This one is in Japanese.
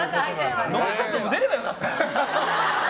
「ノンストップ！」も出ればよかった。